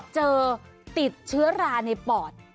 เจอติดเชื้อราในปอด